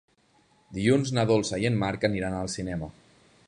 Dilluns na Dolça i en Marc aniran al cinema.